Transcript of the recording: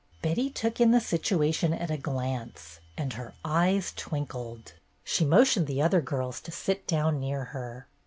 Betty took in the situation at a glance, and her eyes twinkled. She motioned the other children to sit down near her.